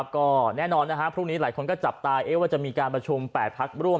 ก็แน่นอนพรุ่งนี้หลายคนก็จับตาว่าจะมีการประชุม๘พักร่วม